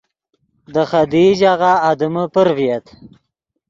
دے خدیئی ژاغہ آدمے پر ڤییت